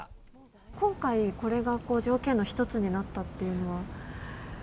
今回、これが条件の一つになったっていうのは。